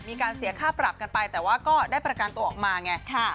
มีการเสียค่าปรับกันไปแต่ว่าก็ได้ประกันตัวออกมาไง